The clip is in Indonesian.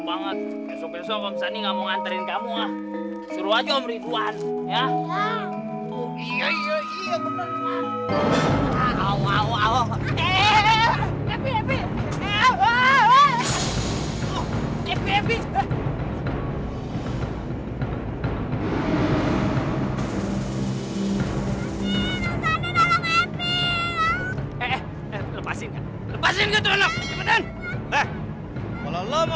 petunjuk sudah tadanya lama erik argelif